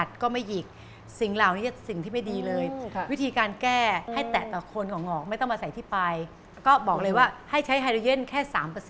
บอกเลยว่าให้ใช้ฮาโดยเย็นแค่๓